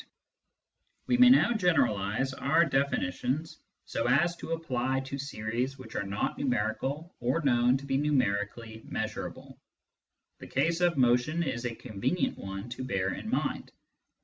1 1 4 Introduction to Mathematical Philosophy We may now generalise our definitions so as to apply to series which are not numerical or known to be numerically measurable. The case of motion is a convenient one to bear in mind.